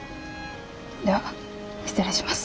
では失礼します。